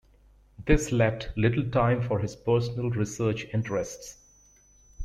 This left little time for his personal research interests.